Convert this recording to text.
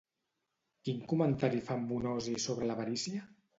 Quin comentari fa en Bonosi sobre l'avarícia?